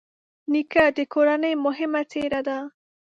نیکه د کورنۍ مهمه څېره ده.